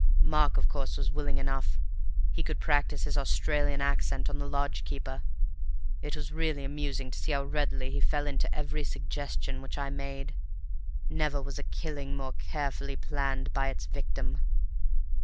Mark, of course, was willing enough. He could practise his Australian accent on the lodge keeper. It was really amusing to see how readily he fell into every suggestion which I made. Never was a killing more carefully planned by its victim.